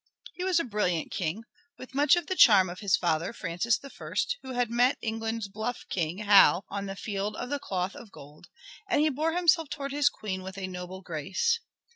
He was a brilliant king, with much of the charm of his father Francis I, who had met England's Bluff King Hal on the Field of the Cloth of Gold, and he bore himself towards his Queen with a noble grace.